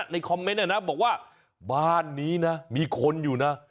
ในคอมเมนต์นะนะบอกว่าบ้านนี้นะมีคนอยู่นะ